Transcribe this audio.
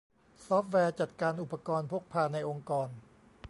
ซอฟต์แวร์จัดการอุปกรณ์พกพาในองค์กร